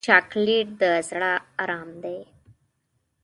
چاکلېټ د زړه ارام دی.